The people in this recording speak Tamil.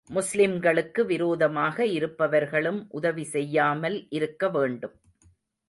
முஸ்லிம்களுக்கு விரோதமாக இருப்பவர்களும் உதவி செய்யாமல் இருக்க வேண்டும்.